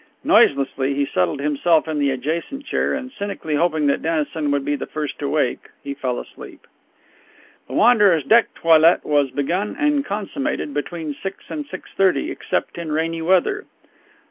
Noiselessly he settled himself in the adjacent chair, and cynically hoping that Dennison would be first to wake he fell asleep. The Wanderer's deck toilet was begun and consummated between six and six thirty, except in rainy weather.